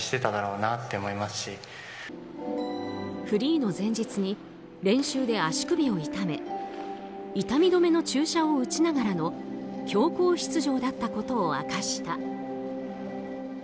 フリーの前日に練習で足首を痛め痛み止めの注射を打ちながらの強行出場だったことを明かした。